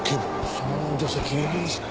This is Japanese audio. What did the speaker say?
その女性気になりますね。